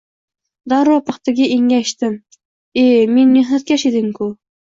Darrov paxtaga engashdim: e, men mehnatkash edim-ku!